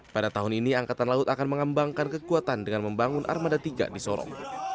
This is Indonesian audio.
pada tahun ini angkatan laut akan mengembangkan kekuatan dengan membangun armada tiga di sorong